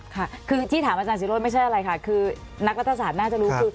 ค่ะคือที่ถามอาจารยศิโรธไม่ใช่อะไรค่ะคือนักรัฐศาสตร์น่าจะรู้คือ